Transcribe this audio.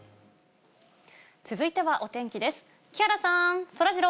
続いてはお天気です。